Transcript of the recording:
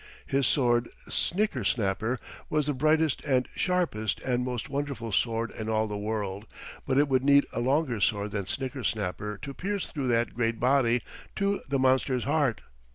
His sword, Snickersnapper, was the brightest and sharpest and most wonderful sword in all the world, but it would need a longer sword than Snickersnapper to pierce through that great body to the monster's heart.